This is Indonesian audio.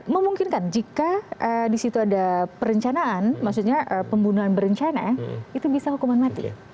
memungkinkan jika di situ ada perencanaan maksudnya pembunuhan berencana itu bisa hukuman mati